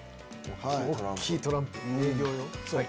大きいトランプ営業用？